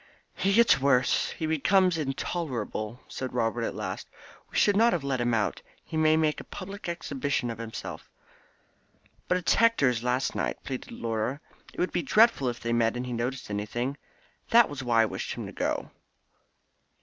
"He gets worse he becomes intolerable," said Robert at last. "We should not have let him out; he may make a public exhibition of himself." "But it's Hector's last night," pleaded Laura. "It would be dreadful if they met and he noticed anything. That was why I wished him to go."